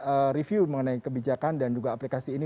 apa yang bisa anda review mengenai kebijakan dan juga aplikasi ini